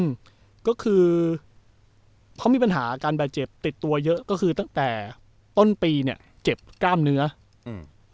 อืมก็คือเขามีปัญหาการบาดเจ็บติดตัวเยอะก็คือตั้งแต่ต้นปีเนี้ยเจ็บกล้ามเนื้ออืม